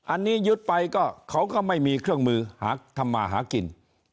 อันนี้ยึดไปก็เขาก็ไม่มีเครื่องมือหาทำมาหากิน